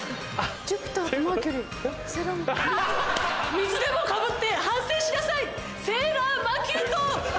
水でもかぶって反省しなさいセーラーマーキュット！